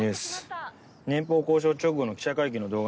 年俸交渉直後の記者会見の動画なんだけど。